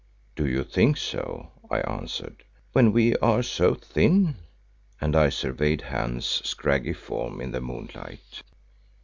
"Do you think so," I answered, "when we are so thin?" and I surveyed Hans' scraggy form in the moonlight.